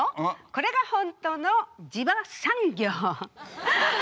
これが本当の「じば産業」。